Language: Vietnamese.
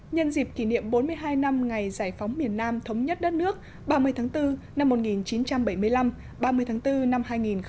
nhân dịp kỷ niệm bốn mươi hai năm ngày giải phóng miền nam thống nhất đất nước ba mươi tháng bốn năm một nghìn chín trăm bảy mươi năm ba mươi tháng bốn năm hai nghìn hai mươi